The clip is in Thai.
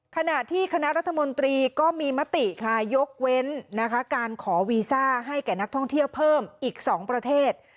ขณะที่คณะรัฐมนตรีก็มีมติค่ะยกเว้นนะคะการขอวีซ่าให้แก่นักท่องเที่ยวเพิ่มอีก๒ประเทศ